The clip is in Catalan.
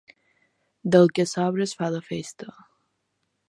Del que sobra es fa la festa.